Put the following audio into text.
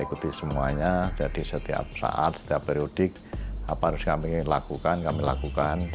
dan itu kita ikuti semuanya jadi setiap saat setiap periodik apa yang harus kami lakukan kami lakukan